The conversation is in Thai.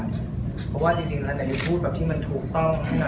เพราะว่าจริงเราจะพูดแบบที่มันถูกต้องให้หน่อย